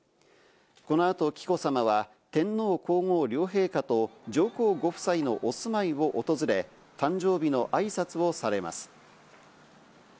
この後、紀子さまは天皇皇后両陛下と上皇ご夫妻のお住まいを訪れ、誕生日のあいさつをされます。